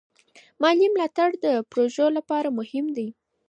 مالي ملاتړ د پروژو لپاره مهم دی.